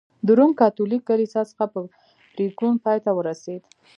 د روم کاتولیک کلیسا څخه په پرېکون پای ته ورسېد.